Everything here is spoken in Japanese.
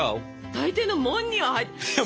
大抵のもんには入ってる。